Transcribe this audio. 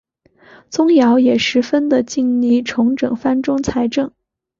宗尧也十分的尽力重整藩中财政。